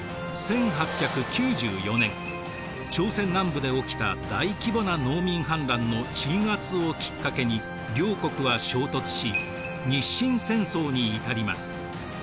１８９４年朝鮮南部で起きた大規模な農民反乱の鎮圧をきっかけに両国は衝突し日清戦争に至ります。